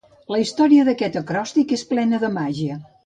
La història d'aquest acròstic és plena de màgia.